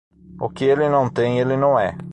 O que ele não tem, ele não é.